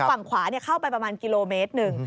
ฝั่งขวาเข้าไปประมาณกิโลเมตรหนึ่ง